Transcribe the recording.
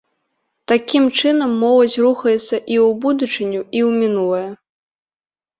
Такім чынам моладзь рухаецца і ў будучыню, і ў мінулае.